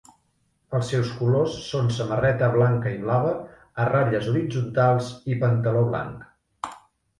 Els seus colors són samarreta blanca i blava a ratlles horitzontals i pantaló blanc.